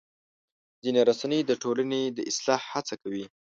ځینې رسنۍ د ټولنې د اصلاح هڅه کوي.